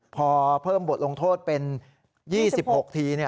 พอเพิ่มบทลงโทษเป็น๒๖ที